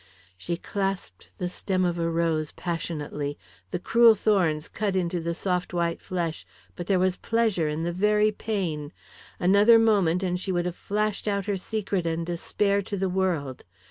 ... She clasped the stem of a rose passionately. The cruel thorns cut into the soft white flesh, but there was pleasure in the very pain. Another moment and she would have flashed out her secret and despair to the world.